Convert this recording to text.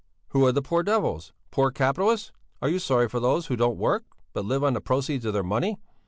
"Who are the poor devils? Poor capitalists? Are you sorry for those who don't work, but live on the proceeds of their money?